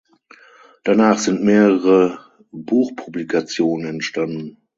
Danach sind mehrere Buchpublikationen entstanden.